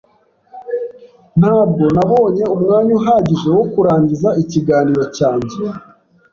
Ntabwo nabonye umwanya uhagije wo kurangiza ikiganiro cyanjye.